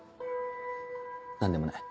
何でもない。